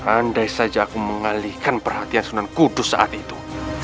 andai saja aku mengalihkan perhatian sunan kudus saat itu